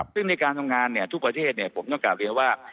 ซึ่งในการทำงานทุกประเทศผมต้องกลับเรียนว่า